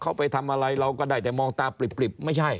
เขาไปทำอะไรเราก็ได้แต่มองตาปริบไม่ใช่